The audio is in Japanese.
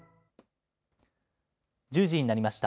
１０時になりました。